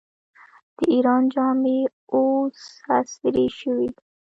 د ایران جامې اوس عصري شوي.